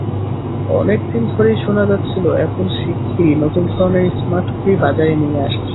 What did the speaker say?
অনেক দিন ধরেই শোনা যাচ্ছিল, অ্যাপল শিগগিরই নতুন ধরনের স্মার্টঘড়ি বাজারে নিয়ে আসছে।